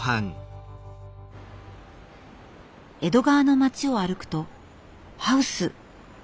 江戸川の街を歩くとハウス。